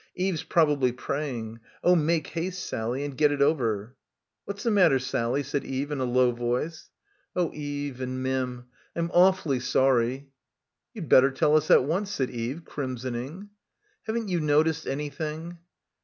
Eve's probably praying. Oh, make haste, Sally, and get it over. "What's the matter, Sally?" said Eve in a low voice. "Oh, Eve and Mim, I'm awfully sorry." "You'd better tell us at once," said Eve, crimsoning. "Haven't you noticed anything?"